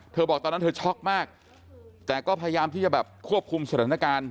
บอกตอนนั้นเธอช็อกมากแต่ก็พยายามที่จะแบบควบคุมสถานการณ์